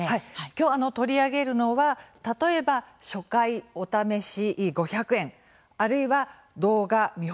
きょう、取り上げるのは例えば初回、お試し５００円あるいは動画見